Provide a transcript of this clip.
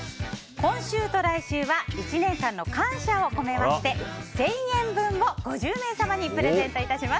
今週と来週は１年間の感謝を込めまして１０００円分を５０名様にプレゼントします。